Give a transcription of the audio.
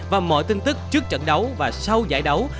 và mọi tin tức trước trận đấu và sau giải đấu